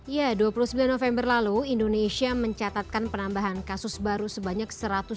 ya dua puluh sembilan november lalu indonesia mencatatkan penambahan kasus baru sebanyak satu ratus dua puluh